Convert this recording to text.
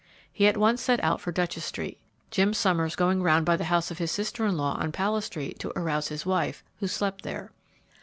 He at once set out for Duchess street, Jim Summers going round by the house of his sister in law on Palace street to arouse his wife, who slept there.